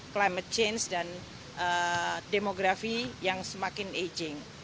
climate change dan demografi yang semakin aging